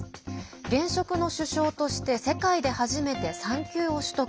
現職の首相として世界で初めて産休を取得。